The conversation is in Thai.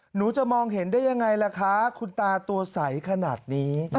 หนูจะมองเห็นได้ยังไงล่ะคะคุณตาตัวใสขนาดนี้